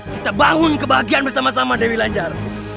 kita bangun kebahagiaan bersama sama dewi lancar